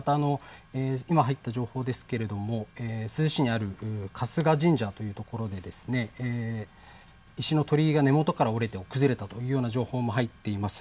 今、入った情報ですけれども珠洲市にある春日神社というところで石の鳥居が根元から折れて崩れたという情報も入っています。